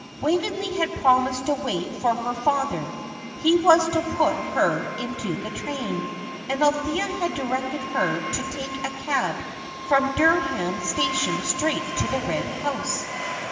Waveney had promised to wait for her father; he was to put her into the train. And Althea had directed her to take a cab from Dereham station straight to the Red House.